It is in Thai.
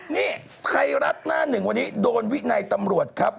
นี่ไทยรัฐหน้าหนึ่งวันนี้โดนวินัยตำรวจครับ